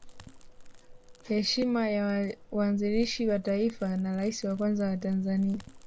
Heshima ya mwanzilishi wa Taifa na Rais wa kwanza wa Tanzania